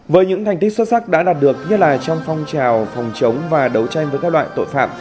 với những thành tích xuất sắc đã đạt được nhất là trong phong trào phòng chống và đấu tranh với các loại tội phạm